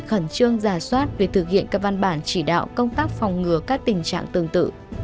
khẩn trương giả soát việc thực hiện các văn bản chỉ đạo công tác phòng ngừa các tình trạng tương tự